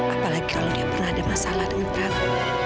apalagi kalau dia pernah ada masalah dengan perahu